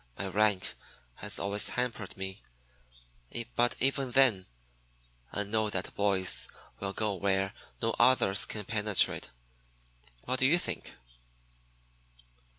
My rank has always hampered me, but even then I know that boys will go where no others can penetrate. What do you think?"